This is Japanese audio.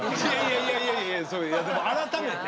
いやいやいや改めて。